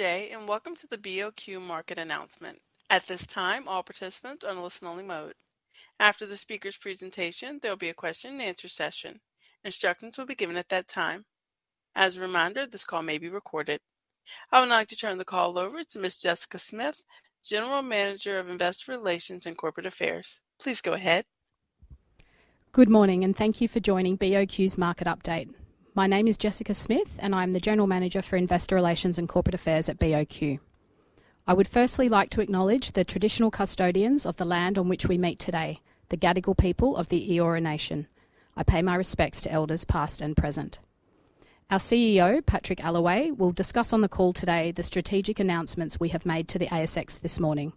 Good day, and welcome to the BOQ market announcement. At this time, all participants are in a listen-only mode. After the speaker's presentation, there will be a question and answer session. Instructions will be given at that time. As a reminder, this call may be recorded. I would like to turn the call over to Ms. Jessica Smith, General Manager of Investor Relations and Corporate Affairs. Please go ahead. Good morning, and thank you for joining BOQ's market update. My name is Jessica Smith, and I'm the General Manager for Investor Relations and Corporate Affairs at BOQ. I would firstly like to acknowledge the traditional custodians of the land on which we meet today, the Gadigal people of the Eora Nation. I pay my respects to elders, past and present. Our CEO, Patrick Allaway, will discuss on the call today the strategic announcements we have made to the ASX this morning.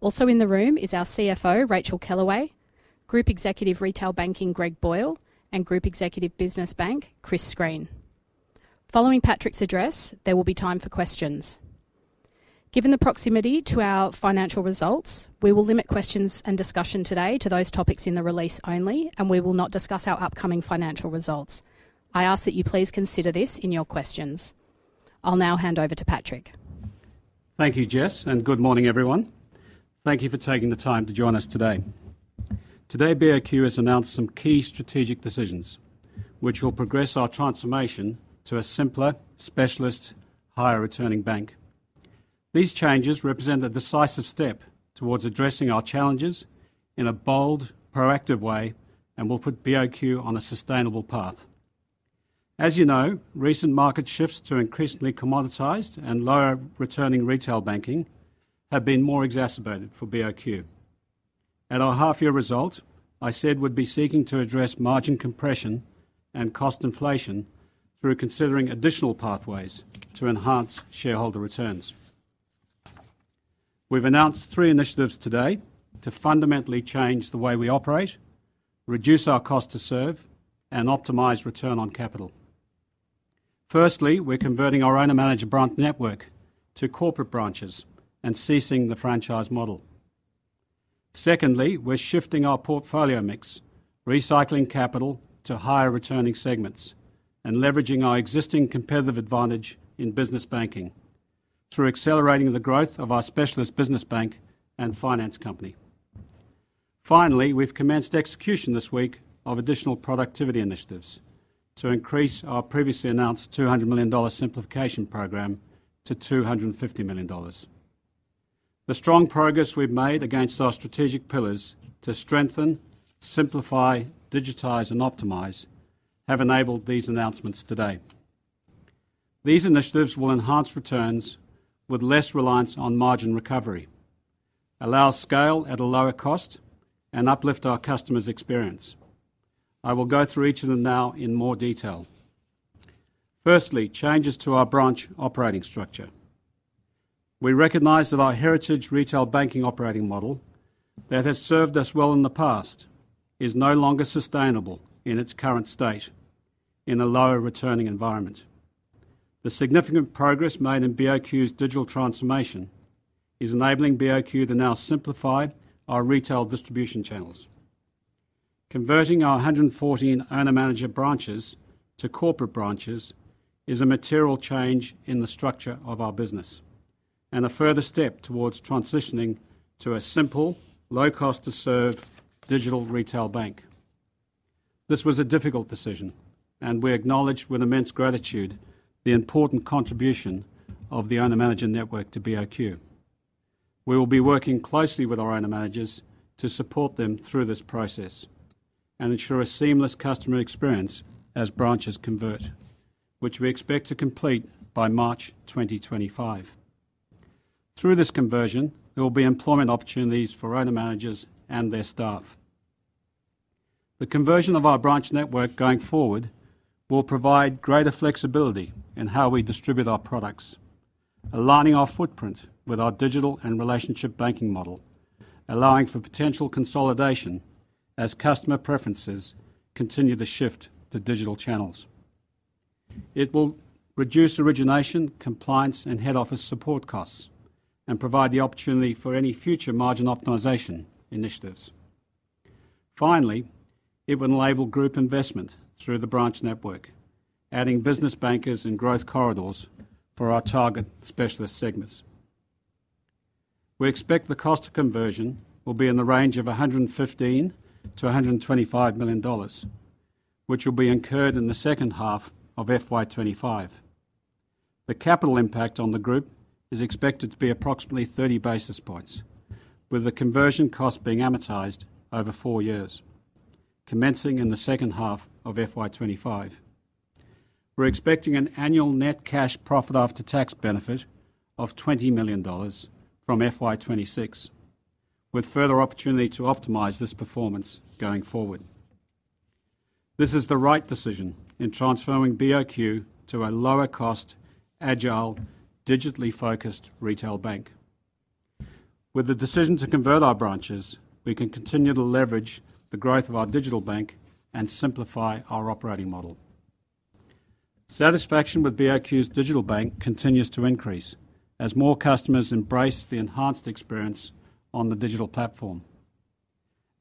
Also in the room is our CFO, Racheal Kellaway, Group Executive Retail Banking, Greg Boyle, and Group Executive Business Banking, Chris Screen. Following Patrick's address, there will be time for questions. Given the proximity to our financial results, we will limit questions and discussion today to those topics in the release only, and we will not discuss our upcoming financial results. I ask that you please consider this in your questions. I'll now hand over to Patrick. Thank you, Jess, and good morning, everyone. Thank you for taking the time to join us today. Today, BOQ has announced some key strategic decisions which will progress our transformation to a simpler, specialist, higher-returning bank. These changes represent a decisive step towards addressing our challenges in a bold, proactive way and will put BOQ on a sustainable path. As you know, recent market shifts to increasingly commoditized and lower returning retail banking have been more exacerbated for BOQ. At our half-year result, I said we'd be seeking to address margin compression and cost inflation through considering additional pathways to enhance shareholder returns. We've announced three initiatives today to fundamentally change the way we operate, reduce our cost to serve, and optimize return on capital. Firstly, we're converting our Owner-Manager branch network to corporate branches and ceasing the franchise model. Secondly, we're shifting our portfolio mix, recycling capital to higher returning segments, and leveraging our existing competitive advantage in business banking through accelerating the growth of our specialist business bank and finance company. Finally, we've commenced execution this week of additional productivity initiatives to increase our previously announced 200 million dollar simplification program to 250 million dollars. The strong progress we've made against our strategic pillars to strengthen, simplify, digitize, and optimize have enabled these announcements today. These initiatives will enhance returns with less reliance on margin recovery, allow scale at a lower cost, and uplift our customers' experience. I will go through each of them now in more detail. Firstly, changes to our branch operating structure. We recognize that our heritage retail banking operating model that has served us well in the past, is no longer sustainable in its current state in a lower returning environment. The significant progress made in BOQ's digital transformation is enabling BOQ to now simplify our retail distribution channels. Converting our 114 Owner-Manager Branches to corporate branches is a material change in the structure of our business and a further step towards transitioning to a simple, low cost to serve digital retail bank. This was a difficult decision, and we acknowledge with immense gratitude the important contribution of the Owner-Manager network to BOQ. We will be working closely with our Owner-Managers to support them through this process and ensure a seamless customer experience as branches convert, which we expect to complete by March 2025. Through this conversion, there will be employment opportunities for Owner-Managers and their staff. The conversion of our branch network going forward will provide greater flexibility in how we distribute our products, aligning our footprint with our digital and relationship banking model, allowing for potential consolidation as customer preferences continue to shift to digital channels. It will reduce origination, compliance, and head office support costs and provide the opportunity for any future margin optimization initiatives. Finally, it will enable group investment through the branch network, adding business bankers and growth corridors for our target specialist segments. We expect the cost of conversion will be in the range of 115 million-125 million dollars, which will be incurred in the second half of FY 2025. The capital impact on the group is expected to be approximately 30 basis points, with the conversion cost being amortized over four years, commencing in the second half of FY 2025. We're expecting an annual net cash profit after tax benefit of 20 million dollars from FY 2026, with further opportunity to optimize this performance going forward. This is the right decision in transforming BOQ to a lower cost, agile, digitally focused retail bank. With the decision to convert our branches, we can continue to leverage the growth of our digital bank and simplify our operating model. Satisfaction with BOQ's digital bank continues to increase as more customers embrace the enhanced experience on the digital platform.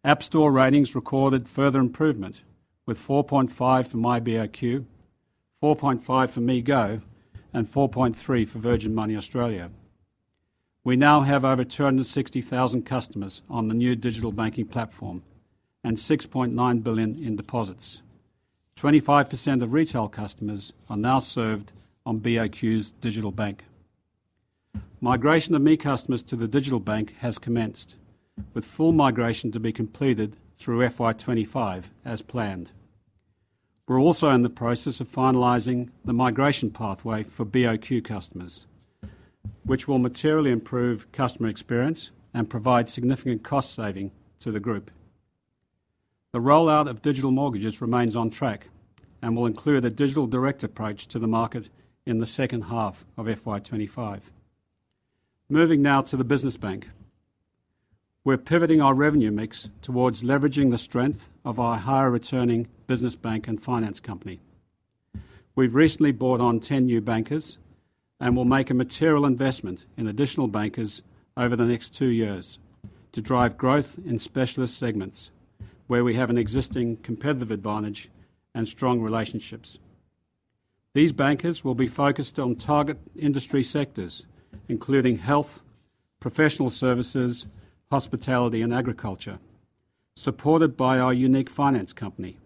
App Store ratings recorded further improvement, with 4.5 for myBOQ, 4.5 for ME Go, and 4.3 for Virgin Money Australia. We now have over 260,000 customers on the new digital banking platform and 6.9 billion in deposits. 25% of retail customers are now served on BOQ's digital bank. Migration of ME customers to the digital bank has commenced, with full migration to be completed through FY 2025 as planned. We're also in the process of finalizing the migration pathway for BOQ customers, which will materially improve customer experience and provide significant cost saving to the group. The rollout of digital mortgages remains on track and will include a digital direct approach to the market in the second half of FY 2025. Moving now to the business bank. We're pivoting our revenue mix towards leveraging the strength of our higher-returning business bank and finance company. We've recently brought on ten new bankers and will make a material investment in additional bankers over the next two years to drive growth in specialist segments where we have an existing competitive advantage and strong relationships. These bankers will be focused on target industry sectors, including health, professional services, hospitality, and agriculture, supported by our unique finance company,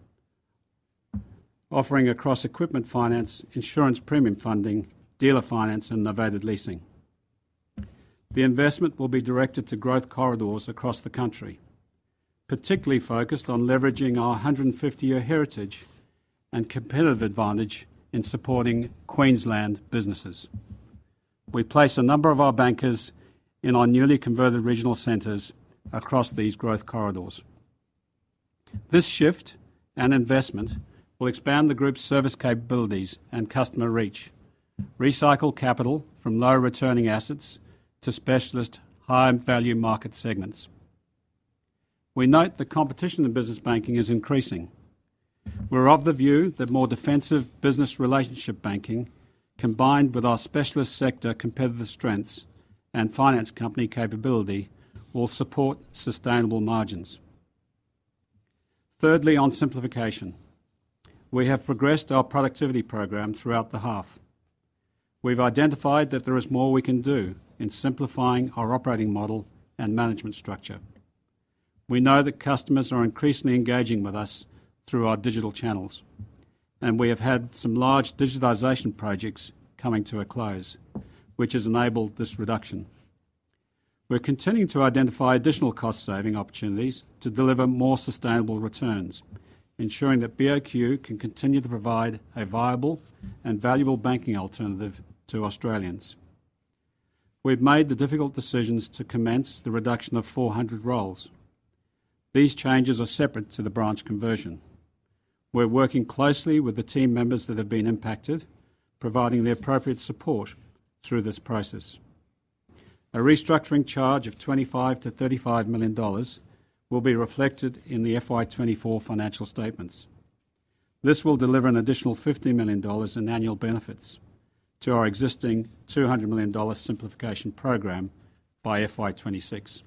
offering across equipment finance, insurance premium funding, dealer finance, and novated leasing. The investment will be directed to growth corridors across the country, particularly focused on leveraging our 150-year heritage and competitive advantage in supporting Queensland businesses. We placed a number of our bankers in our newly converted regional centers across these growth corridors. This shift and investment will expand the group's service capabilities and customer reach, recycle capital from low-returning assets to specialist high-value market segments. We note the competition in business banking is increasing. We're of the view that more defensive business relationship banking, combined with our specialist sector competitive strengths and finance company capability, will support sustainable margins. Thirdly, on simplification. We have progressed our productivity program throughout the half. We've identified that there is more we can do in simplifying our operating model and management structure. We know that customers are increasingly engaging with us through our digital channels, and we have had some large digitization projects coming to a close, which has enabled this reduction. We're continuing to identify additional cost-saving opportunities to deliver more sustainable returns, ensuring that BOQ can continue to provide a viable and valuable banking alternative to Australians. We've made the difficult decisions to commence the reduction of four hundred roles. These changes are separate to the branch conversion. We're working closely with the team members that have been impacted, providing the appropriate support through this process. A restructuring charge of 25 million-35 million dollars will be reflected in the FY 2024 financial statements. This will deliver an additional 50 million dollars in annual benefits to our existing 200 million dollar simplification program by FY 2026.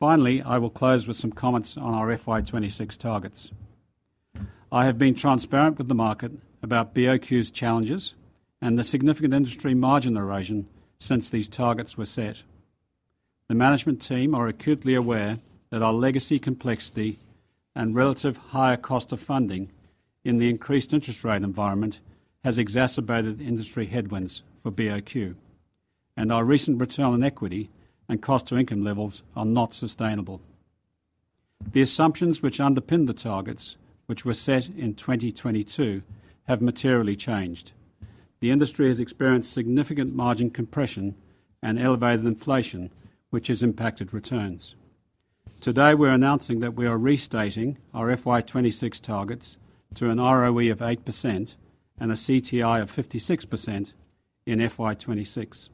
Finally, I will close with some comments on our FY 2026 targets. I have been transparent with the market about BOQ's challenges and the significant industry margin erosion since these targets were set. The management team are acutely aware that our legacy, complexity, and relative higher cost of funding in the increased interest rate environment has exacerbated industry headwinds for BOQ, and our recent return on equity and cost-to-income levels are not sustainable. The assumptions which underpin the targets, which were set in 2022, have materially changed. The industry has experienced significant margin compression and elevated inflation, which has impacted returns. Today, we're announcing that we are restating our FY 2026 targets to an ROE of 8% and a CTI of 56% in FY 2026.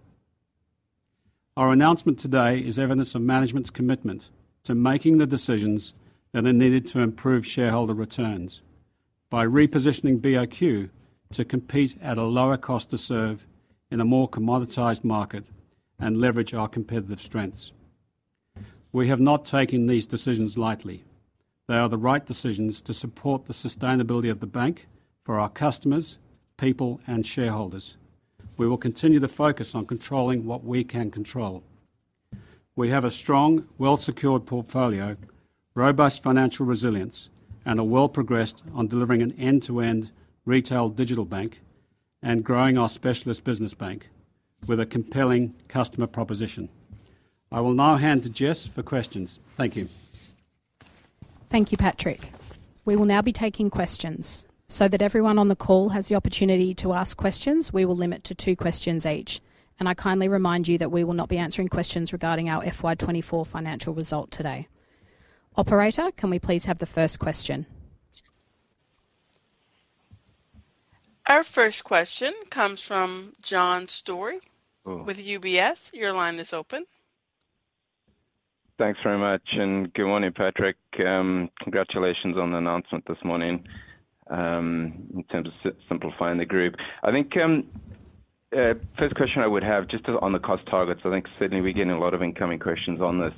Our announcement today is evidence of management's commitment to making the decisions that are needed to improve shareholder returns by repositioning BOQ to compete at a lower cost to serve in a more commoditized market and leverage our competitive strengths. We have not taken these decisions lightly. They are the right decisions to support the sustainability of the bank for our customers, people, and shareholders. We will continue to focus on controlling what we can control. We have a strong, well-secured portfolio, robust financial resilience, and are well progressed on delivering an end-to-end retail digital bank and growing our specialist business bank with a compelling customer proposition. I will now hand to Jess for questions. Thank you. Thank you, Patrick. We will now be taking questions. So that everyone on the call has the opportunity to ask questions, we will limit to two questions each, and I kindly remind you that we will not be answering questions regarding our FY 2024 financial result today. Operator, can we please have the first question? Our first question comes from John Storey with UBS. Your line is open. Thanks very much, and good morning, Patrick. Congratulations on the announcement this morning, in terms of simplifying the group. I think, First question I would have, just on the cost targets, I think certainly we're getting a lot of incoming questions on this.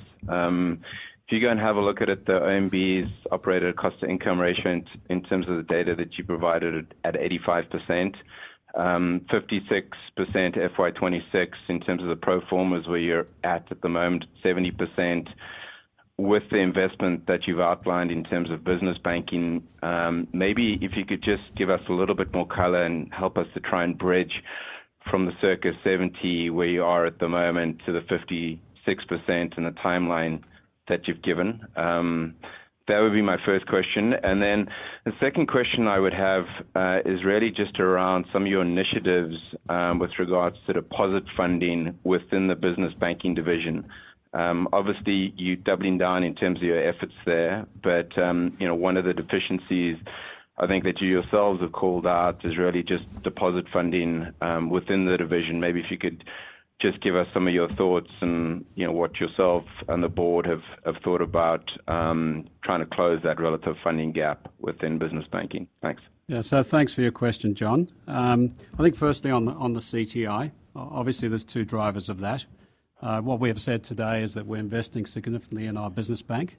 If you go and have a look at it, the OMB's operator cost to income ratio in terms of the data that you provided at 85%, 56% FY 2026, in terms of the pro formas, where you're at the moment, 70%. With the investment that you've outlined in terms of business banking, maybe if you could just give us a little bit more color and help us to try and bridge from the current 70%, where you are at the moment, to the 56% and the timeline that you've given. That would be my first question. Then the second question I would have is really just around some of your initiatives with regards to deposit funding within the business banking division. Obviously, you're doubling down in terms of your efforts there, but you know, one of the deficiencies, I think that you yourselves have called out, is really just deposit funding within the division. Maybe if you could just give us some of your thoughts and you know, what yourself and the board have thought about trying to close that relative funding gap within business banking. Thanks. Yeah. So thanks for your question, John. I think firstly on the CTI, obviously, there's two drivers of that. What we have said today is that we're investing significantly in our business bank,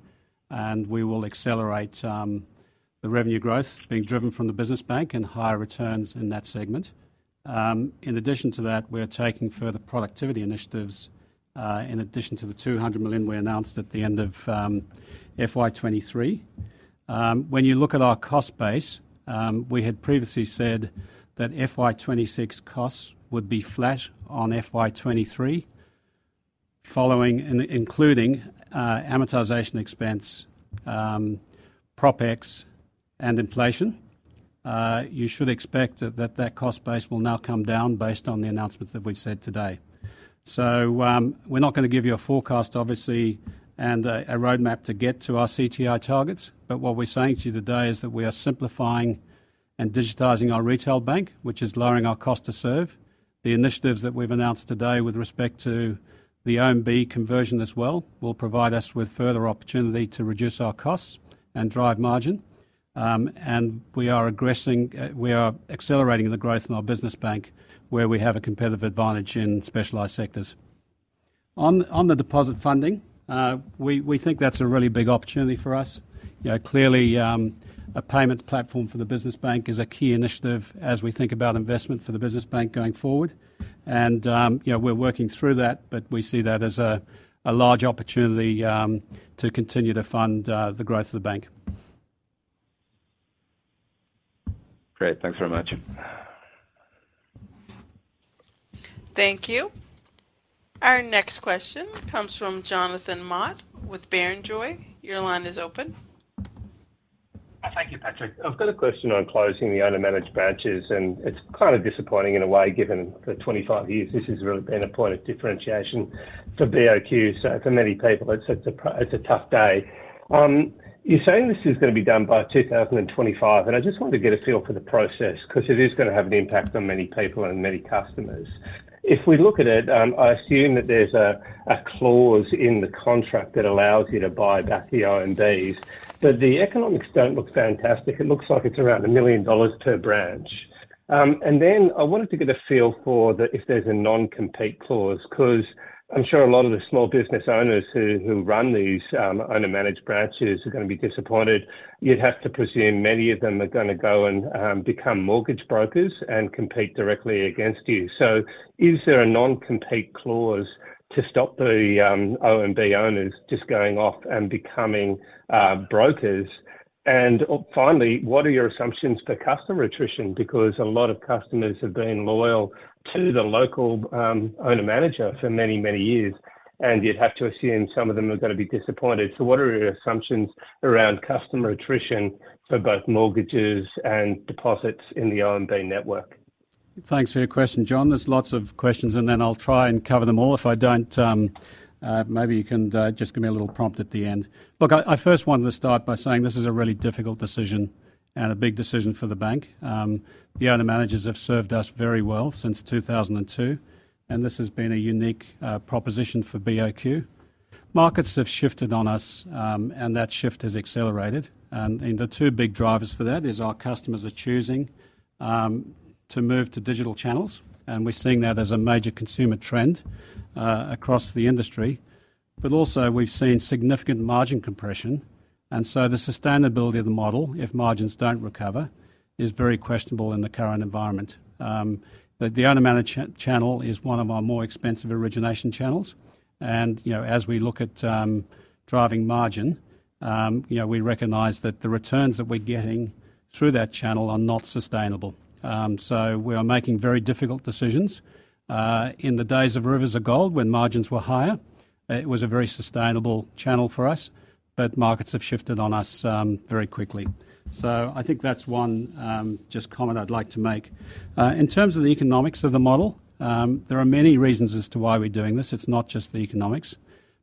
and we will accelerate the revenue growth being driven from the business bank and higher returns in that segment. In addition to that, we're taking further productivity initiatives in addition to the 200 million we announced at the end of FY 2023. When you look at our cost base, we had previously said that FY 2026 costs would be flat on FY 2023, following and including amortization expense, propex and inflation. You should expect that cost base will now come down based on the announcement that we've said today. So, we're not gonna give you a forecast, obviously, and a roadmap to get to our CTI targets, but what we're saying to you today is that we are simplifying and digitizing our retail bank, which is lowering our cost to serve. The initiatives that we've announced today with respect to the OMB conversion as well, will provide us with further opportunity to reduce our costs and drive margin. And we are aggressing, we are accelerating the growth in our business bank, where we have a competitive advantage in specialized sectors. On the deposit funding, we think that's a really big opportunity for us. You know, clearly, a payments platform for the business bank is a key initiative as we think about investment for the business bank going forward. You know, we're working through that, but we see that as a large opportunity to continue to fund the growth of the bank. Great. Thanks very much. Thank you. Our next question comes from Jonathan Mott with Barrenjoey. Your line is open. Thank you, Patrick. I've got a question on closing the owner-managed branches, and it's kind of disappointing in a way, given for 25 years, this has really been a point of differentiation for BOQ. So for many people, it's a tough day. You're saying this is gonna be done by 2025, and I just wanted to get a feel for the process, 'cause it is gonna have an impact on many people and many customers. If we look at it, I assume that there's a clause in the contract that allows you to buy back the OMBs, but the economics don't look fantastic. It looks like it's around 1 million dollars per branch. And then I wanted to get a feel for the, if there's a non-compete clause, 'cause I'm sure a lot of the small business owners who run these owner-managed branches are gonna be disappointed. You'd have to presume many of them are gonna go and become mortgage brokers and compete directly against you. So is there a non-compete clause to stop the OMB owners just going off and becoming brokers? And finally, what are your assumptions for customer attrition? Because a lot of customers have been loyal to the local owner-manager for many, many years, and you'd have to assume some of them are gonna be disappointed. So what are your assumptions around customer attrition for both mortgages and deposits in the OMB network? Thanks for your question, John. There's lots of questions, and then I'll try and cover them all. If I don't, maybe you can just give me a little prompt at the end. Look, I first wanted to start by saying this is a really difficult decision and a big decision for the bank. The owner-managers have served us very well since 2002, and this has been a unique proposition for BOQ. Markets have shifted on us, and that shift has accelerated, and the two big drivers for that is our customers are choosing to move to digital channels, and we're seeing that as a major consumer trend across the industry. But also, we've seen significant margin compression, and so the sustainability of the model, if margins don't recover, is very questionable in the current environment. But the owner-manager channel is one of our more expensive origination channels, and, you know, as we look at driving margin, you know, we recognize that the returns that we're getting through that channel are not sustainable. So we are making very difficult decisions. In the days of Rivers of Gold, when margins were higher, it was a very sustainable channel for us, but markets have shifted on us very quickly. So I think that's one just comment I'd like to make. In terms of the economics of the model, there are many reasons as to why we're doing this. It's not just the economics.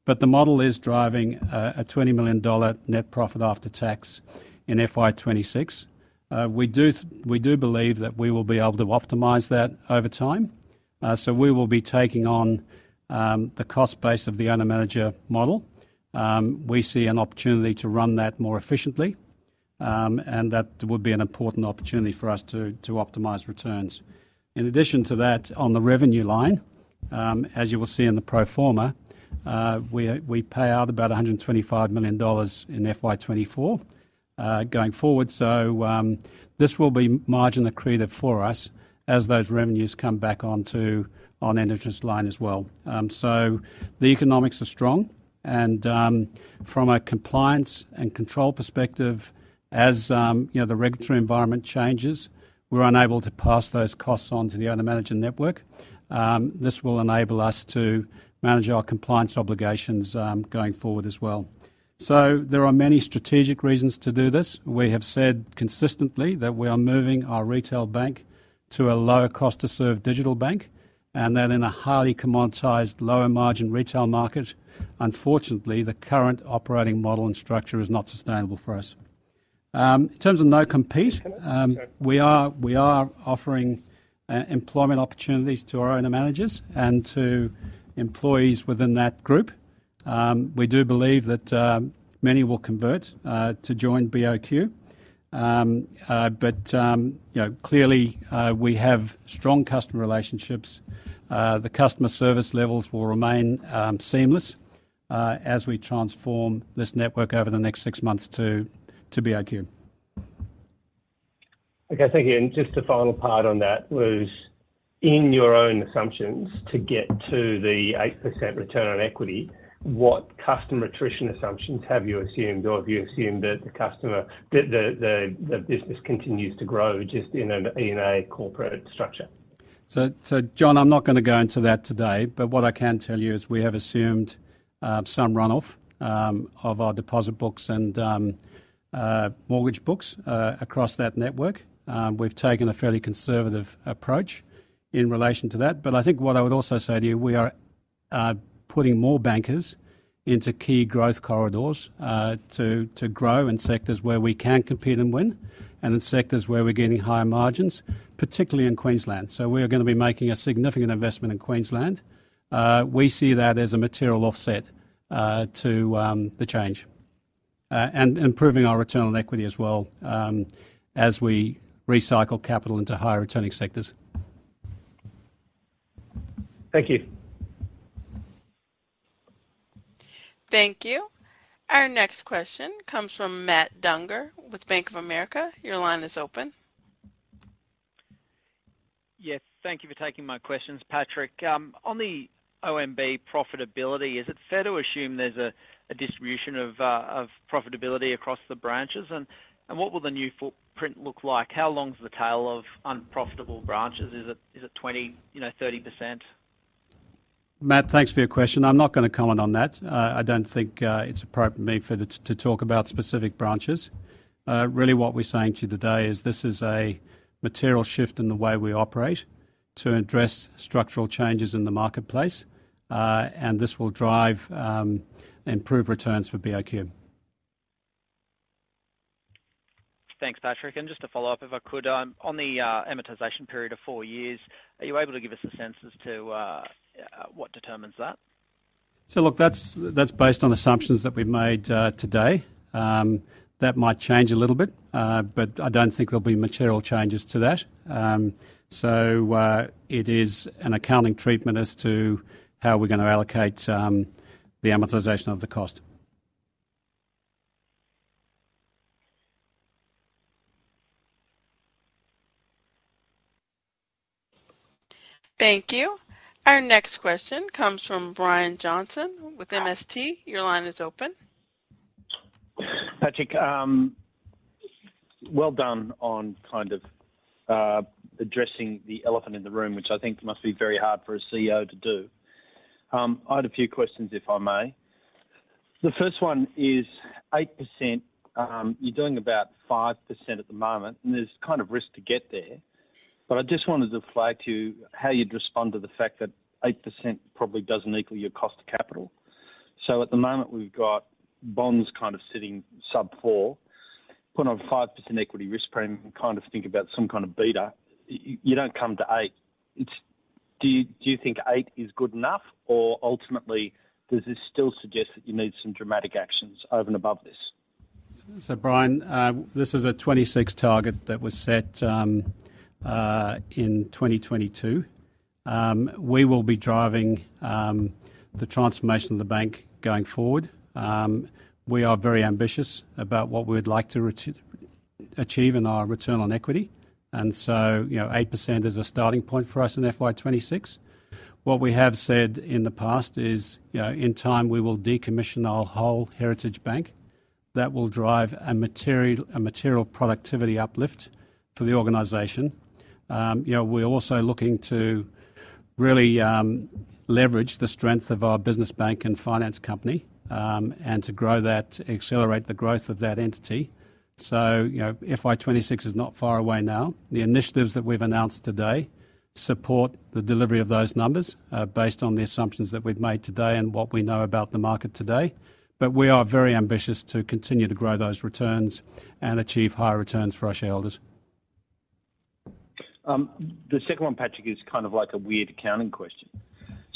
But the model is driving a 20 million dollar net profit after tax in FY 2026. We do believe that we will be able to optimize that over time. So we will be taking on the cost base of the owner-manager model. We see an opportunity to run that more efficiently, and that would be an important opportunity for us to optimize returns. In addition to that, on the revenue line, as you will see in the pro forma, we pay out about 125 million dollars in FY 2024, going forward. So this will be margin accretive for us as those revenues come back onto an interest line as well. So the economics are strong, and from a compliance and control perspective, as you know, the regulatory environment changes, we're unable to pass those costs on to the owner-manager network. This will enable us to manage our compliance obligations, going forward as well. So there are many strategic reasons to do this. We have said consistently that we are moving our retail bank to a lower cost to serve digital bank, and that in a highly commoditized, lower margin retail market, unfortunately, the current operating model and structure is not sustainable for us. In terms of non-compete, we are offering employment opportunities to our owner-managers and to employees within that group. We do believe that many will convert to join BOQ. But you know, clearly, we have strong customer relationships. The customer service levels will remain seamless as we transform this network over the next six months to BOQ. Okay, thank you. And just a final part on that was, in your own assumptions, to get to the 8% return on equity, what customer attrition assumptions have you assumed, or have you assumed that the business continues to grow just in an E&A corporate structure? John, I'm not going to go into that today, but what I can tell you is we have assumed some runoff of our deposit books and mortgage books across that network. We've taken a fairly conservative approach in relation to that. But I think what I would also say to you, we are putting more bankers into key growth corridors to grow in sectors where we can compete and win, and in sectors where we're getting higher margins, particularly in Queensland. So we are going to be making a significant investment in Queensland. We see that as a material offset to the change and improving our return on equity as well as we recycle capital into higher returning sectors. Thank you. Thank you. Our next question comes from Matt Dunger with Bank of America. Your line is open. Yes, thank you for taking my questions, Patrick. On the OMB profitability, is it fair to assume there's a distribution of profitability across the branches? And what will the new footprint look like? How long is the tail of unprofitable branches? Is it 20%, you know, 30%? Matt, thanks for your question. I'm not going to comment on that. I don't think it's appropriate for me to talk about specific branches. Really, what we're saying to you today is this is a material shift in the way we operate to address structural changes in the marketplace, and this will drive improved returns for BOQ. Thanks, Patrick. And just to follow up, if I could, on the amortization period of four years, are you able to give us a sense as to what determines that? So look, that's, that's based on assumptions that we've made, today. That might change a little bit, but I don't think there'll be material changes to that. It is an accounting treatment as to how we're gonna allocate the amortization of the cost. Thank you. Our next question comes from Brian Johnson with MST. Your line is open. Patrick, well done on kind of addressing the elephant in the room, which I think must be very hard for a CEO to do. I had a few questions, if I may. The first one is 8%. You're doing about 5% at the moment, and there's kind of risk to get there. But I just wanted to flag to you how you'd respond to the fact that 8% probably doesn't equal your cost of capital. So at the moment, we've got bonds kind of sitting sub 4%, put on 5% equity risk premium, and kind of think about some kind of beta. You don't come to eight. Do you think eight is good enough, or ultimately, does this still suggest that you need some dramatic actions over and above this? So, Brian, this is a 2026 target that was set in 2022. We will be driving the transformation of the bank going forward. We are very ambitious about what we would like to achieve in our return on equity, and so, you know, 8% is a starting point for us in FY 2026. What we have said in the past is, you know, in time, we will decommission our whole Heritage Bank. That will drive a material productivity uplift for the organization. You know, we're also looking to really leverage the strength of our business bank and finance company, and to accelerate the growth of that entity. So, you know, FY 2026 is not far away now. The initiatives that we've announced today support the delivery of those numbers, based on the assumptions that we've made today and what we know about the market today. But we are very ambitious to continue to grow those returns and achieve higher returns for our shareholders. ... The second one, Patrick, is kind of like a weird accounting question.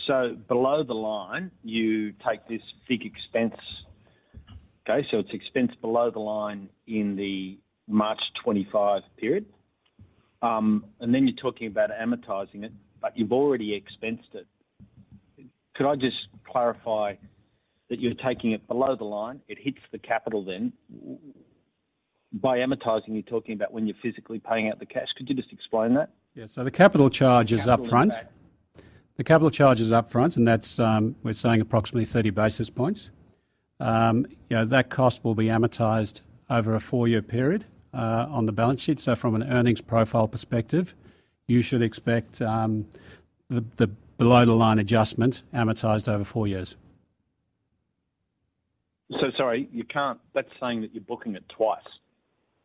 So below the line, you take this big expense. Okay, so it's expense below the line in the March twenty-five period. And then you're talking about amortizing it, but you've already expensed it. Could I just clarify that you're taking it below the line, it hits the capital then. By amortizing, you're talking about when you're physically paying out the cash. Could you just explain that? Yeah. So the capital charge is upfront. Capital impact. The capital charge is upfront, and that's, we're saying approximately 30 basis points. You know, that cost will be amortized over a four-year period, on the balance sheet. So from an earnings profile perspective, you should expect, the below-the-line adjustment amortized over four years. So, sorry, you can't. That's saying that you're booking it twice.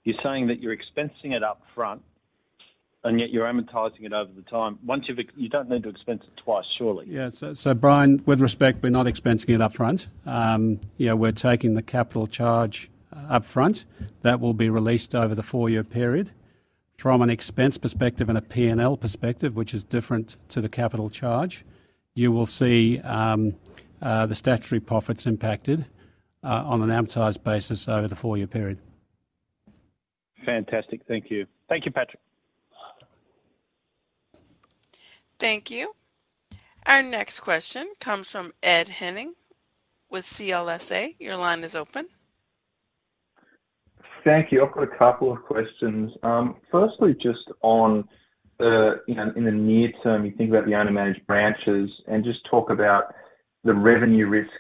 You're saying that you're expensing it up front, and yet you're amortizing it over the time. Once you don't need to expense it twice, surely. Yeah. So, Brian, with respect, we're not expensing it up front. Yeah, we're taking the capital charge upfront. That will be released over the four-year period. From an expense perspective and a P&L perspective, which is different to the capital charge, you will see the statutory profits impacted on an amortized basis over the four-year period. Fantastic. Thank you. Thank you, Patrick. Thank you. Our next question comes from Ed Henning with CLSA. Your line is open. Thank you. I've got a couple of questions. Firstly, just on the, you know, in the near term, you think about the owner-managed branches and just talk about the revenue risk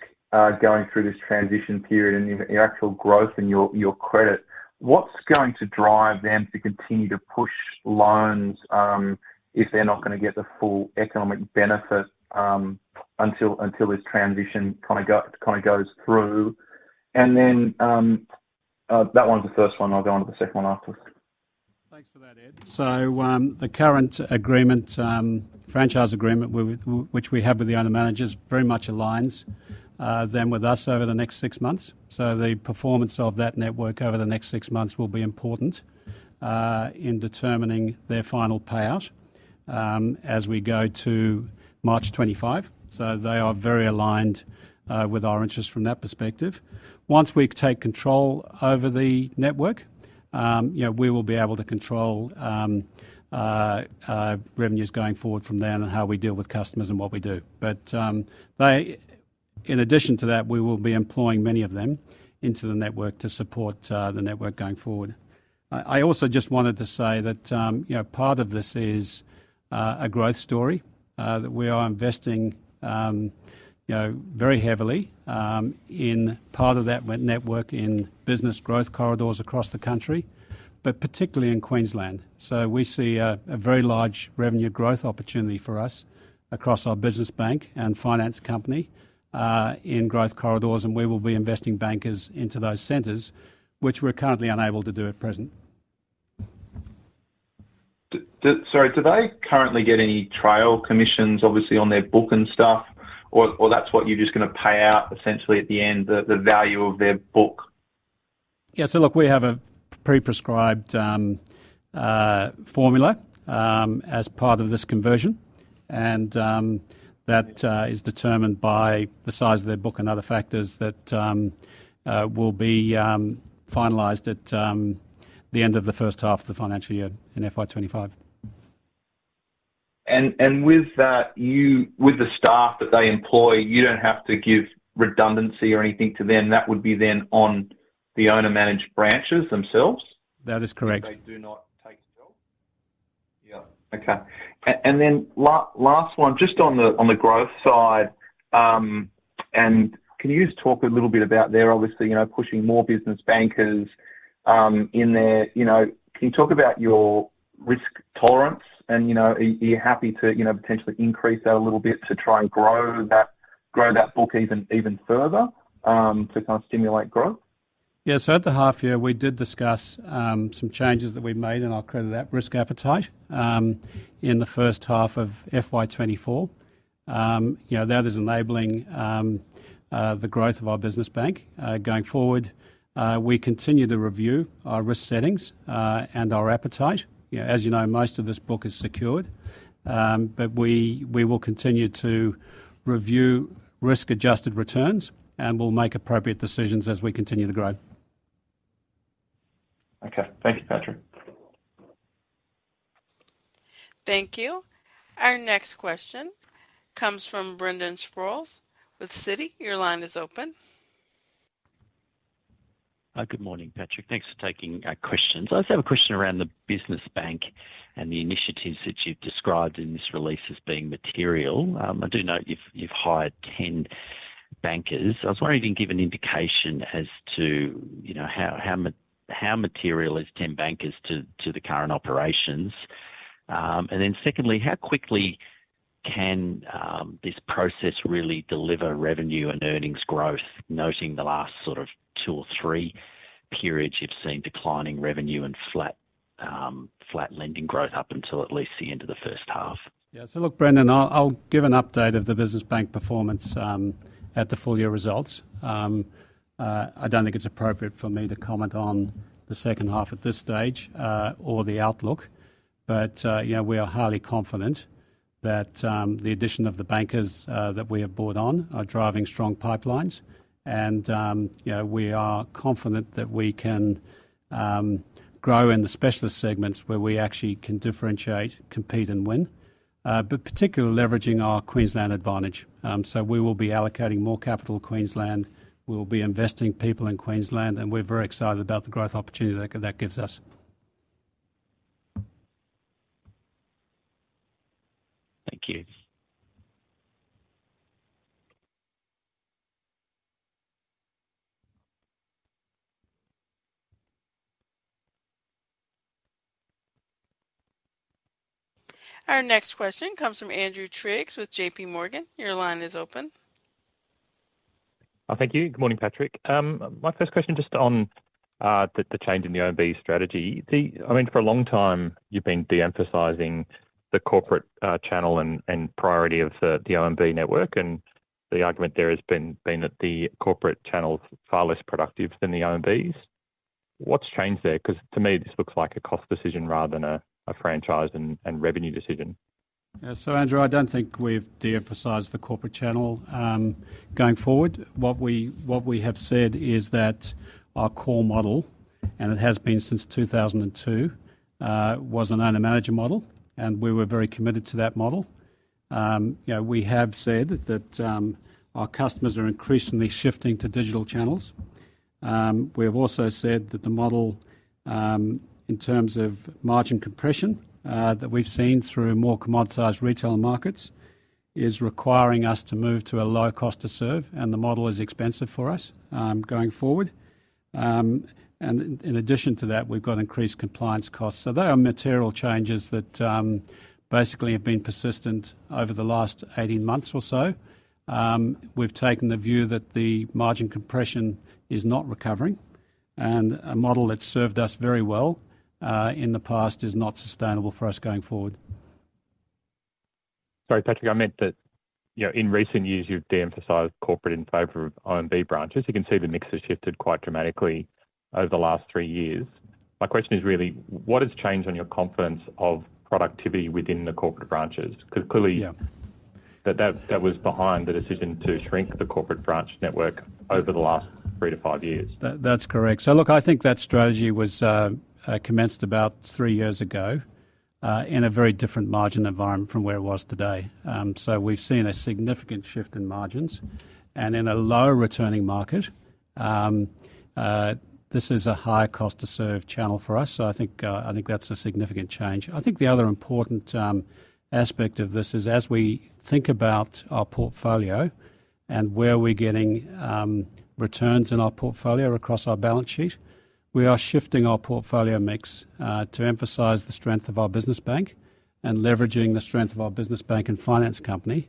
going through this transition period and the actual growth in your credit. What's going to drive them to continue to push loans, if they're not gonna get the full economic benefit, until this transition kinda goes through? And then, that one's the first one. I'll go on to the second one after. Thanks for that, Ed. So, the current agreement, franchise agreement which we have with the owner-managers, very much aligns them with us over the next six months. So the performance of that network over the next six months will be important in determining their final payout, as we go to March 2025. So they are very aligned with our interests from that perspective. Once we take control over the network, you know, we will be able to control revenues going forward from then and how we deal with customers and what we do. But, in addition to that, we will be employing many of them into the network to support the network going forward. I also just wanted to say that, you know, part of this is a growth story that we are investing, you know, very heavily in part of that network in business growth corridors across the country, but particularly in Queensland. So we see a very large revenue growth opportunity for us across our business bank and finance company in growth corridors, and we will be investing bankers into those centers, which we're currently unable to do at present. Sorry, do they currently get any trail commissions, obviously, on their book and stuff? Or that's what you're just gonna pay out essentially at the end, the value of their book? Yeah, so look, we have a pre-prescribed formula as part of this conversion, and that is determined by the size of their book and other factors that will be finalized at the end of the first half of the financial year in FY 2025. With that, with the staff that they employ, you don't have to give redundancy or anything to them. That would be then on the owner-manager branches themselves? That is correct. They do not take jobs. Yeah, okay. And then last one, just on the growth side, and can you just talk a little bit about their obviously, you know, pushing more business bankers in there, you know, can you talk about your risk tolerance and, you know, are you happy to, you know, potentially increase that a little bit to try and grow that, grow that book even, even further, to kind of stimulate growth? Yeah. So at the half year, we did discuss some changes that we've made, and I'll credit that risk appetite in the first half of FY 2024. You know, that is enabling the growth of our business bank. Going forward, we continue to review our risk settings and our appetite. You know, as you know, most of this book is secured, but we will continue to review risk-adjusted returns, and we'll make appropriate decisions as we continue to grow. Okay. Thank you, Patrick. Thank you. Our next question comes from Brendan Sproules with Citi. Your line is open. Good morning, Patrick. Thanks for taking our questions. I just have a question around the business bank and the initiatives that you've described in this release as being material. I do know you've hired 10 bankers. I was wondering if you can give an indication as to, you know, how material is 10 bankers to the current operations? And then secondly, how quickly can this process really deliver revenue and earnings growth, noting the last sort of two or three periods you've seen declining revenue and flat lending growth up until at least the end of the first half? Yeah. Look, Brendan, I'll give an update of the business bank performance at the full year results. I don't think it's appropriate for me to comment on the second half at this stage or the outlook, but you know, we are highly confident that the addition of the bankers that we have brought on are driving strong pipelines. And you know, we are confident that we can grow in the specialist segments where we actually can differentiate, compete, and win, but particularly leveraging our Queensland advantage. So we will be allocating more capital to Queensland, we'll be investing people in Queensland, and we're very excited about the growth opportunity that gives us. Thank you. Our next question comes from Andrew Triggs with JPMorgan. Your line is open. Thank you. Good morning, Patrick. My first question, just on the change in the OMB strategy. I mean, for a long time, you've been de-emphasizing the corporate channel and priority of the OMB network, and the argument there has been that the corporate channel is far less productive than the OMBs. What's changed there? 'Cause to me, this looks like a cost decision rather than a franchise and revenue decision. Yeah. So, Andrew, I don't think we've de-emphasized the corporate channel. Going forward, what we have said is that our core model, and it has been since two thousand and two, was an owner-manager model, and we were very committed to that model. You know, we have said that our customers are increasingly shifting to digital channels. We have also said that the model, in terms of margin compression, that we've seen through more commoditized retail markets, is requiring us to move to a lower cost to serve, and the model is expensive for us, going forward. And in addition to that, we've got increased compliance costs. So there are material changes that basically have been persistent over the last 18 months or so. We've taken the view that the margin compression is not recovering, and a model that served us very well, in the past is not sustainable for us going forward. Sorry, Patrick, I meant that, you know, in recent years, you've de-emphasized corporate in favor of OMB branches. You can see the mix has shifted quite dramatically over the last three years. My question is really, what has changed on your confidence of productivity within the corporate branches? 'Cause clearly that was behind the decision to shrink the corporate branch network over the last three to five years. That, that's correct, so look, I think that strategy was commenced about three years ago in a very different margin environment from where it was today, so we've seen a significant shift in margins, and in a lower returning market, this is a higher cost to serve channel for us, so I think that's a significant change. I think the other important aspect of this is as we think about our portfolio and where we're getting returns in our portfolio across our balance sheet, we are shifting our portfolio mix to emphasize the strength of our business bank and leveraging the strength of our business bank and finance company,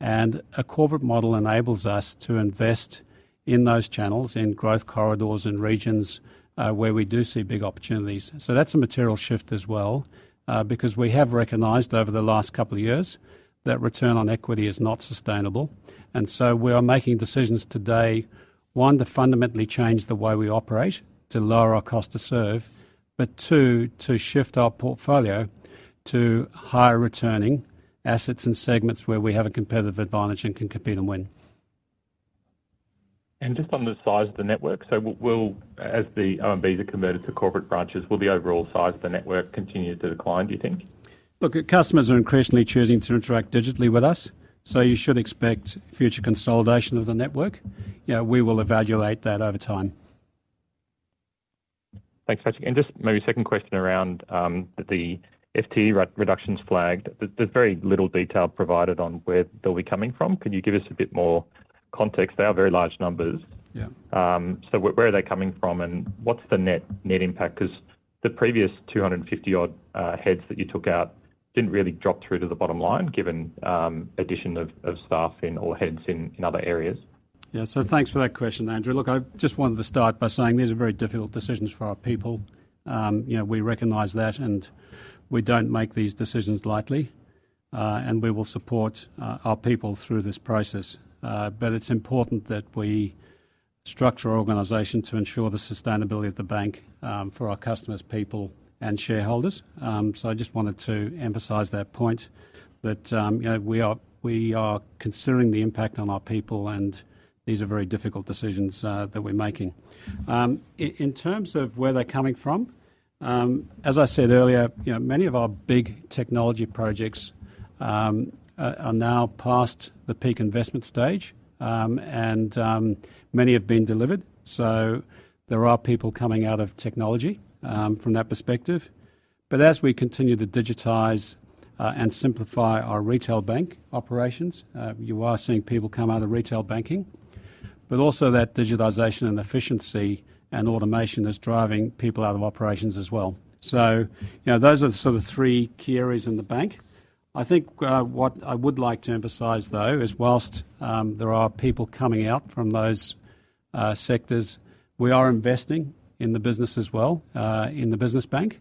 and a corporate model enables us to invest in those channels, in growth corridors and regions where we do see big opportunities. That's a material shift as well, because we have recognized over the last couple of years that return on equity is not sustainable, so we are making decisions today, one, to fundamentally change the way we operate, to lower our cost to serve, but two, to shift our portfolio to higher returning assets and segments where we have a competitive advantage and can compete and win. And just on the size of the network, as the OMBs are converted to corporate branches, will the overall size of the network continue to decline, do you think? Look, our customers are increasingly choosing to interact digitally with us, so you should expect future consolidation of the network. You know, we will evaluate that over time. Thanks, Patrick. And just maybe a second question around the FTE reductions flagged. There's very little detail provided on where they'll be coming from. Could you give us a bit more context? They are very large numbers. Yeah. So where, where are they coming from, and what's the net, net impact? 'Cause the previous 250-odd heads that you took out didn't really drop through to the bottom line, given addition of staff in, or heads in, other areas. Yeah. So thanks for that question, Andrew. Look, I just wanted to start by saying these are very difficult decisions for our people. You know, we recognize that, and we don't make these decisions lightly, and we will support our people through this process. But it's important that we structure our organization to ensure the sustainability of the bank for our customers, people, and shareholders. So I just wanted to emphasize that point, that you know, we are considering the impact on our people, and these are very difficult decisions that we're making. In terms of where they're coming from, as I said earlier, you know, many of our big technology projects are now past the peak investment stage, and many have been delivered. So there are people coming out of technology, from that perspective. But as we continue to digitize, and simplify our retail bank operations, you are seeing people come out of retail banking, but also that digitization and efficiency and automation is driving people out of operations as well. So, you know, those are the sort of three key areas in the bank. I think, what I would like to emphasize, though, is whilst, there are people coming out from those, sectors, we are investing in the business as well, in the business bank.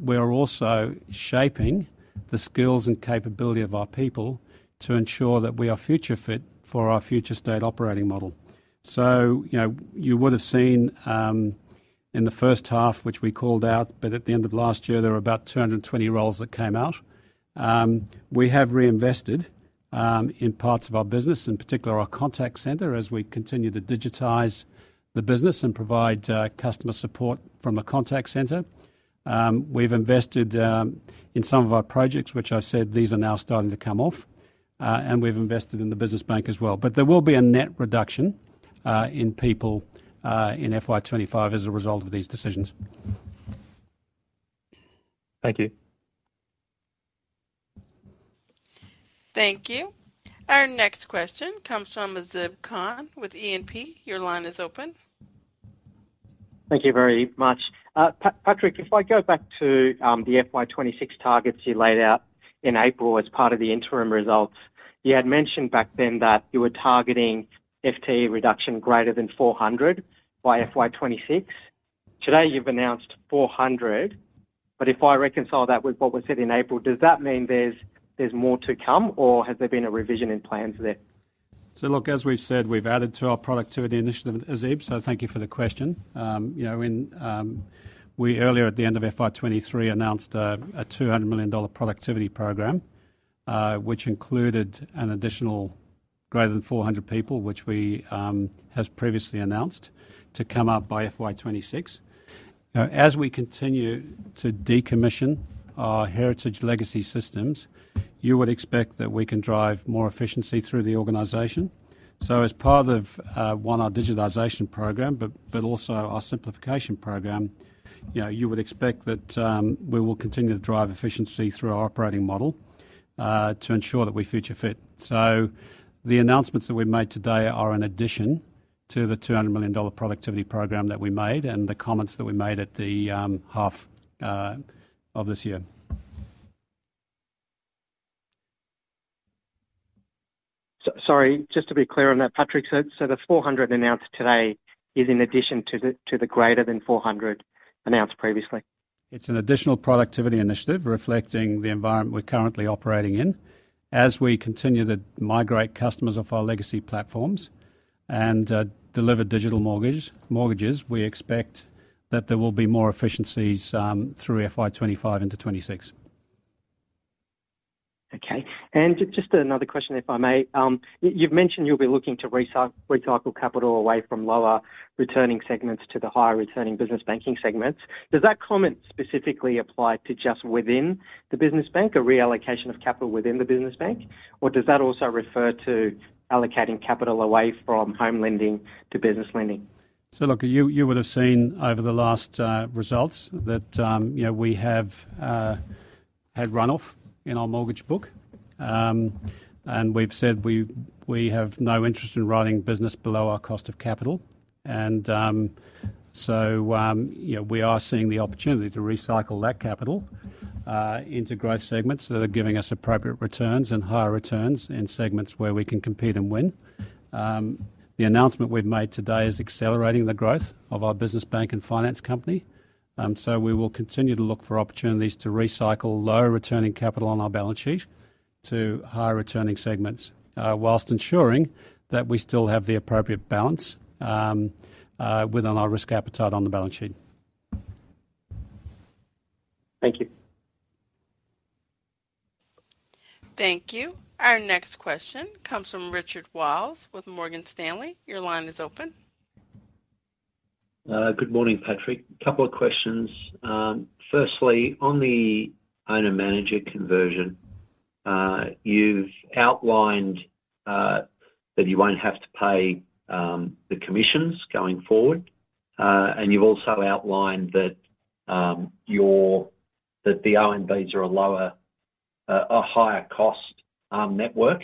We are also shaping the skills and capability of our people to ensure that we are future fit for our future state operating model. So, you know, you would have seen. In the first half, which we called out, but at the end of last year, there were about 220 roles that came out. We have reinvested in parts of our business, in particular our contact center, as we continue to digitize the business and provide customer support from a contact center. We've invested in some of our projects, which I said these are now starting to come off, and we've invested in the business bank as well. But there will be a net reduction in people in FY 2025 as a result of these decisions. Thank you. Thank you. Our next question comes from Azib Khan with E&P. Your line is open. Thank you very much. Patrick, if I go back to the FY 2026 targets you laid out in April as part of the interim results, you had mentioned back then that you were targeting FTE reduction greater than four hundred by FY 26. Today, you've announced four hundred, but if I reconcile that with what was said in April, does that mean there's more to come, or has there been a revision in plans there? So look, as we've said, we've added to our productivity initiative, Azib, so thank you for the question. You know, in we earlier, at the end of FY 2023, announced a 200 million dollar productivity program, which included an additional greater than 400 people, which we has previously announced to come up by FY 2026. As we continue to decommission our heritage legacy systems, you would expect that we can drive more efficiency through the organization. So as part of our digitization program, but also our simplification program, you know, you would expect that we will continue to drive efficiency through our operating model to ensure that we're future fit. So the announcements that we've made today are in addition to the 200 million dollar productivity program that we made and the comments that we made at the half of this year. Sorry, just to be clear on that, Patrick. So, the 400 announced today is in addition to the greater than 400 announced previously? It's an additional productivity initiative reflecting the environment we're currently operating in. As we continue to migrate customers off our legacy platforms and deliver digital mortgage, mortgages, we expect that there will be more efficiencies through FY 2025 into 2026. Okay. And just another question, if I may. You've mentioned you'll be looking to recycle capital away from lower returning segments to the higher returning business banking segments. Does that comment specifically apply to just within the business bank, a reallocation of capital within the business bank? Or does that also refer to allocating capital away from home lending to business lending? So look, you would have seen over the last results that you know we have had run off in our mortgage book, and we've said we have no interest in running business below our cost of capital, so you know we are seeing the opportunity to recycle that capital into growth segments that are giving us appropriate returns and higher returns in segments where we can compete and win. The announcement we've made today is accelerating the growth of our business bank and finance company, so we will continue to look for opportunities to recycle lower returning capital on our balance sheet to higher returning segments while ensuring that we still have the appropriate balance within our risk appetite on the balance sheet. Thank you. Thank you. Our next question comes from Richard Wiles with Morgan Stanley. Your line is open. Good morning, Patrick. A couple of questions. Firstly, on the Owner-Manager conversion, you've outlined that you won't have to pay the commissions going forward, and you've also outlined that the OMBs are a lower, a higher cost network.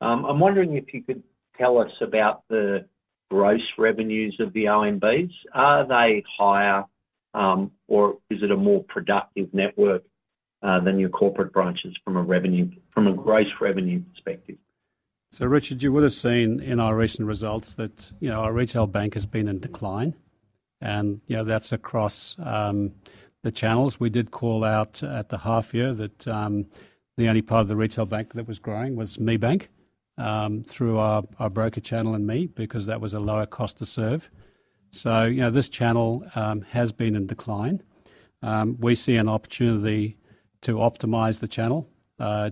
I'm wondering if you could tell us about the gross revenues of the OMBs. Are they higher, or is it a more productive network than your corporate branches from a revenue, from a gross revenue perspective? So, Richard, you would have seen in our recent results that, you know, our retail bank has been in decline, and, you know, that's across the channels. We did call out at the half year that the only part of the retail bank that was growing was Me Bank through our broker channel and Me, because that was a lower cost to serve. So, you know, this channel has been in decline. We see an opportunity to optimize the channel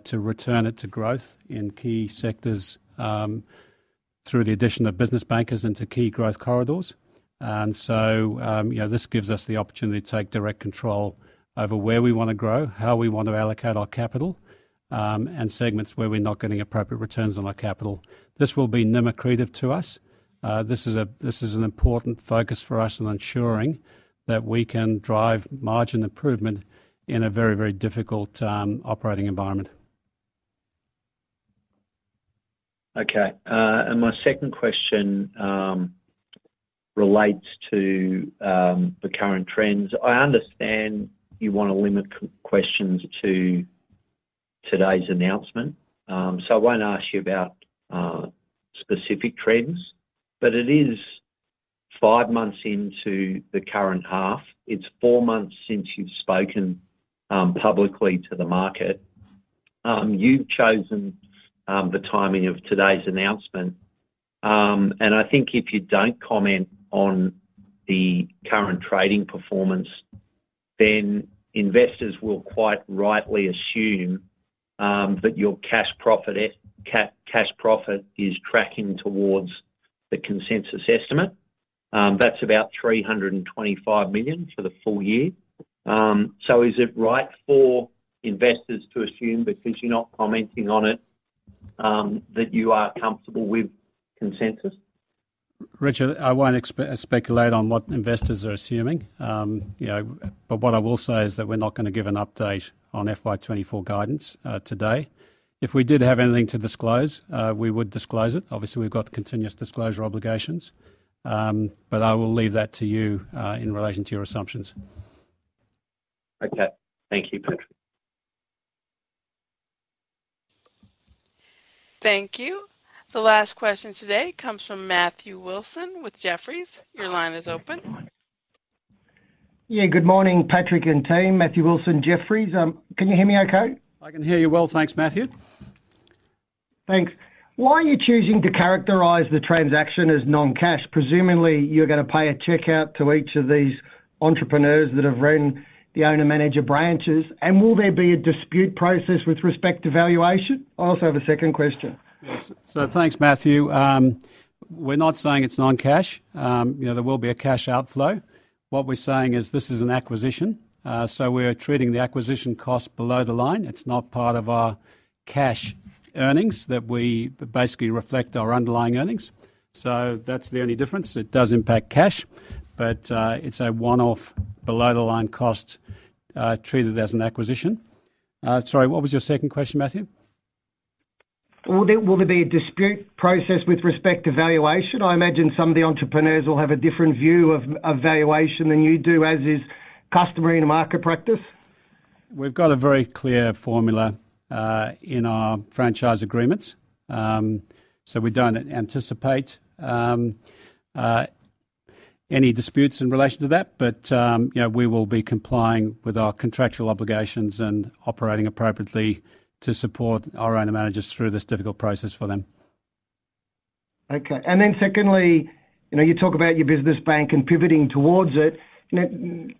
to return it to growth in key sectors through the addition of business bankers into key growth corridors. And so, you know, this gives us the opportunity to take direct control over where we wanna grow, how we want to allocate our capital, and segments where we're not getting appropriate returns on our capital. This will be NIM accretive to us. This is an important focus for us on ensuring that we can drive margin improvement in a very, very difficult operating environment. Okay, and my second question relates to the current trends. I understand you want to limit questions to today's announcement, so I won't ask you about specific trends, but it is five months into the current half. It's four months since you've spoken publicly to the market. You've chosen the timing of today's announcement, and I think if you don't comment on the current trading performance, then investors will quite rightly assume that your cash profit is tracking towards the consensus estimate. That's about 325 million for the full year, so is it right for investors to assume, because you're not commenting on it, that you are comfortable with consensus? Richard, I won't speculate on what investors are assuming. You know, but what I will say is that we're not gonna give an update on FY 2024 guidance, today. If we did have anything to disclose, we would disclose it. Obviously, we've got continuous disclosure obligations. But I will leave that to you, in relation to your assumptions. Okay. Thank you, Patrick. Thank you. The last question today comes from Matthew Wilson with Jefferies. Your line is open. Yeah, good morning, Patrick and team. Matthew Wilson, Jefferies. Can you hear me okay? I can hear you well. Thanks, Matthew. Thanks. Why are you choosing to characterize the transaction as non-cash? Presumably, you're gonna pay a check out to each of these entrepreneurs that have run the owner-manager branches, and will there be a dispute process with respect to valuation? I also have a second question. Yes, so thanks, Matthew. We're not saying it's non-cash. You know, there will be a cash outflow. What we're saying is this is an acquisition, so we're treating the acquisition cost below the line. It's not part of our cash earnings, that we basically reflect our underlying earnings. So that's the only difference. It does impact cash, but, it's a one-off below-the-line cost, treated as an acquisition. Sorry, what was your second question, Matthew? Will there be a dispute process with respect to valuation? I imagine some of the entrepreneurs will have a different view of valuation than you do, as is customary in market practice. We've got a very clear formula in our franchise agreements, so we don't anticipate any disputes in relation to that, but you know, we will be complying with our contractual obligations and operating appropriately to support our owner-managers through this difficult process for them. Okay. And then secondly, you know, you talk about your business bank and pivoting towards it. Now,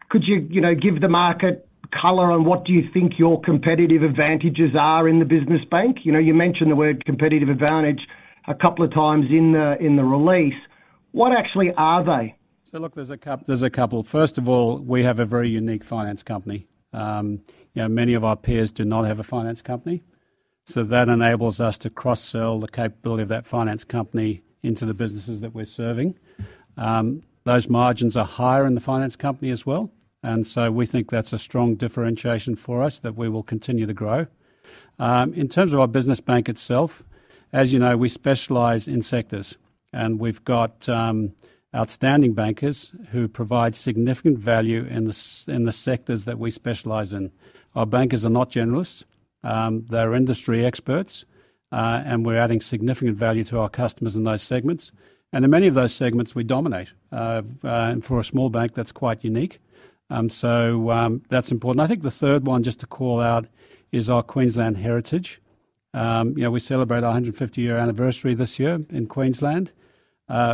could you, you know, give the market color on what do you think your competitive advantages are in the business bank? You know, you mentioned the word competitive advantage a couple of times in the release. What actually are they? So look, there's a couple. First of all, we have a very unique finance company. You know, many of our peers do not have a finance company, so that enables us to cross-sell the capability of that finance company into the businesses that we're serving. Those margins are higher in the finance company as well, and so we think that's a strong differentiation for us that we will continue to grow. In terms of our business bank itself, as you know, we specialize in sectors, and we've got outstanding bankers who provide significant value in the sectors that we specialize in. Our bankers are not generalists. They're industry experts, and we're adding significant value to our customers in those segments, and in many of those segments, we dominate. And for a small bank, that's quite unique. That's important. I think the third one, just to call out, is our Queensland heritage. You know, we celebrate our hundred and fifty-year anniversary this year in Queensland.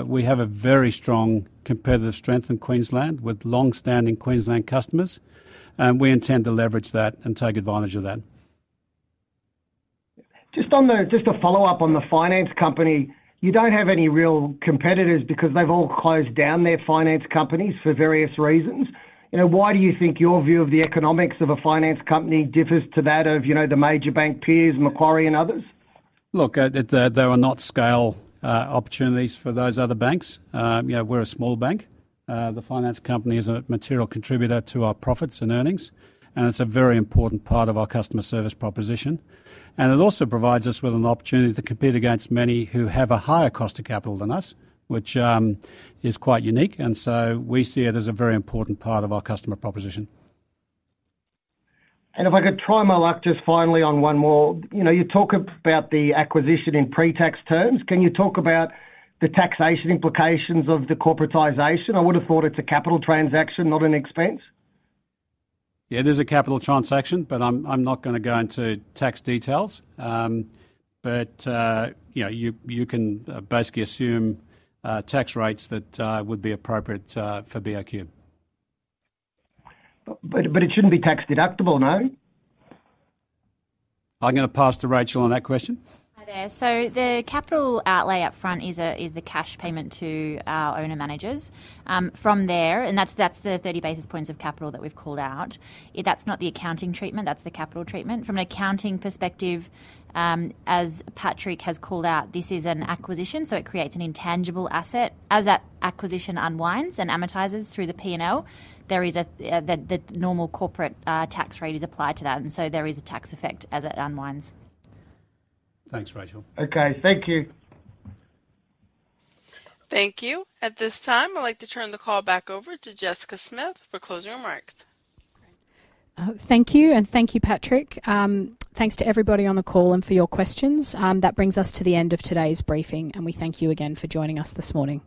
We have a very strong competitive strength in Queensland with long-standing Queensland customers, and we intend to leverage that and take advantage of that. Just a follow-up on the finance company, you don't have any real competitors because they've all closed down their finance companies for various reasons. You know, why do you think your view of the economics of a finance company differs to that of, you know, the major bank peers, Macquarie and others? Look, there are not scale opportunities for those other banks. You know, we're a small bank. The finance company is a material contributor to our profits and earnings, and it's a very important part of our customer service proposition. And it also provides us with an opportunity to compete against many who have a higher cost of capital than us, which is quite unique, and so we see it as a very important part of our customer proposition. If I could try my luck, just finally, on one more. You know, you talk about the acquisition in pre-tax terms. Can you talk about the taxation implications of the corporatization? I would have thought it's a capital transaction, not an expense. Yeah, it is a capital transaction, but I'm not gonna go into tax details, but you know, you can basically assume tax rates that would be appropriate for BOQ. But, but it shouldn't be tax-deductible, no? I'm gonna pass to Rachel on that question. Hi, there. So the capital outlay up front is the cash payment to our owner-managers. From there. And that's the 30 basis points of capital that we've called out. That's not the accounting treatment, that's the capital treatment. From an accounting perspective, as Patrick has called out, this is an acquisition, so it creates an intangible asset. As that acquisition unwinds and amortizes through the P&L, the normal corporate tax rate is applied to that, and so there is a tax effect as it unwinds. Thanks, Racheal. Okay. Thank you. Thank you. At this time, I'd like to turn the call back over to Jessica Smith for closing remarks. Great. Thank you, and thank you, Patrick. Thanks to everybody on the call and for your questions. That brings us to the end of today's briefing, and we thank you again for joining us this morning.